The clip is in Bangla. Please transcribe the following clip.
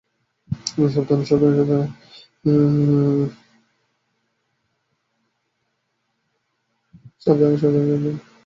সাবধানে, সাবধানে।